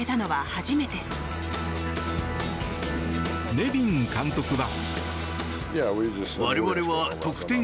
ネビン監督は。